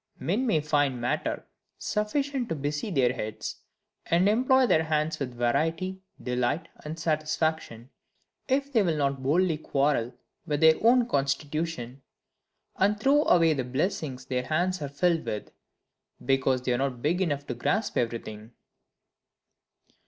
Men may find matter sufficient to busy their heads, and employ their hands with variety, delight, and satisfaction, if they will not boldly quarrel with their own constitution, and throw away the blessings their hands are filled with, because they are not big enough to grasp everything.